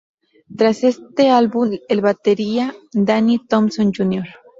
Tras este álbum el batería Danny Thompson Jr.